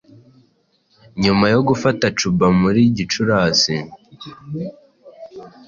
nyuma yo gufata cuba muri gicurasi